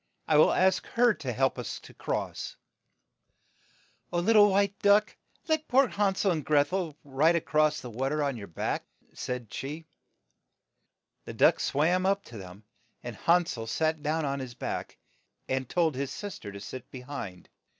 I will ask her to help us to cross. RIDING ACROSS THE WATER ON A DUCK'S BACK "O, little white duck, let poor Han sel and Greth el ride a cross the wa ter on your back !'' said she. The duck swam up to them, and Han sel sat down on his back, and told his sis ter to sit be hind.